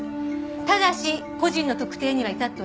ただし個人の特定には至っておりません。